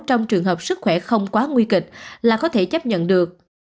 trong trường hợp sức khỏe không quá nguy kịch là có thể chấp nhận được